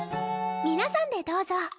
皆さんでどうぞ。